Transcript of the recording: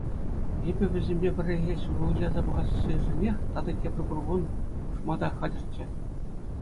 Эпӗ вӗсемпе пӗрре ҫеҫ выляса пӑхассишӗнех тата тепӗр курпун хушма та хатӗрччӗ.